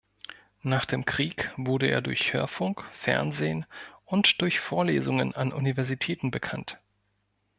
Nach dem Krieg wurde er durch Hörfunk, Fernsehen und durch Vorlesungen an Universitäten bekannt.